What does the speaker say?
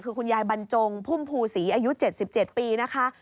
คือคุณยายบรรจงพุ่มภูศรีอายุ๗๗ปีนะคะ